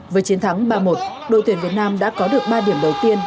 với chiến thắng ba một đội tuyển việt nam đã có được ba điểm đầu tiên